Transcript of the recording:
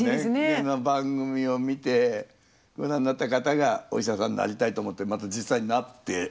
この番組を見てご覧になった方がお医者さんになりたいと思ってまた実際になって。